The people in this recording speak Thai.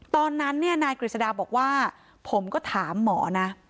ตอนนั้นนายกฤษฎาบอกว่าผมก็ถามหมอนะ